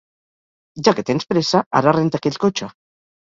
Ja que tens pressa, ara renta aquell cotxe.